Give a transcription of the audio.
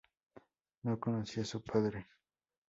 No conoció a su padre.